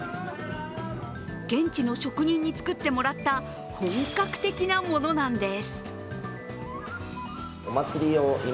現地の職人に作ってもらった本格的なものなんです。